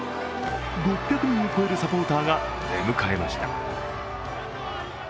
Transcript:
６００人を超えるサポーターが出迎えました。